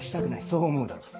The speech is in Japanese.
そう思うだろう。